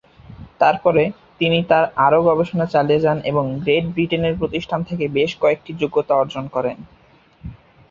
তারপরে, তিনি তার আরও গবেষণা চালিয়ে যান এবং গ্রেট ব্রিটেনের প্রতিষ্ঠান থেকে বেশ কয়েকটি যোগ্যতা অর্জন করেন।